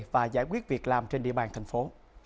và giải quyết việc làm trên địa bàn thành phố